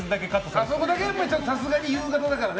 あそこだけさすがに夕方だからね。